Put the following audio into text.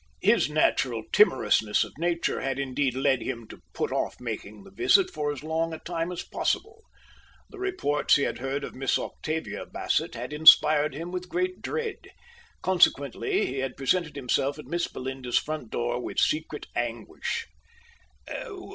His natural timorousness of nature had indeed led him to put off making the visit for as long a time as possible. The reports he had heard of Miss Octavia Bassett had inspired him with great dread. Consequently he had presented himself at Miss Belinda's front door with secret anguish.